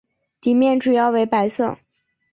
底面主要为白色。